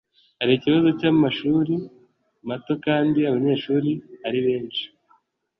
Hari ikibazo cy'amashuri mato kandi abanyeshuri ari benshi